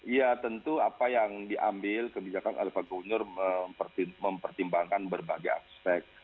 ya tentu apa yang diambil kebijakan alfa gunyur mempertimbangkan berbagai aspek